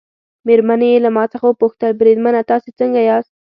مېرمنې یې له ما څخه وپوښتل: بریدمنه تاسي څنګه یاست؟